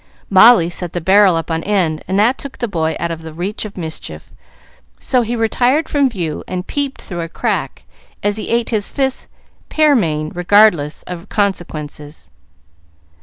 Molly set the barrel up on end, and that took the boy out of the reach of mischief, so he retired from view and peeped through a crack as he ate his fifth pearmain, regardless of consequences.